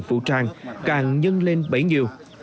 các lực lượng vũ trang càng nhân lên bấy nhiêu